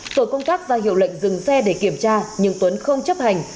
tổ công tác ra hiệu lệnh dừng xe để kiểm tra nhưng tuấn không chấp hành